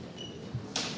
lihatnya apakah itu